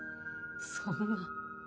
そんな。